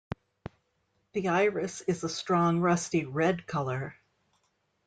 The iris is a strong rusty red colour.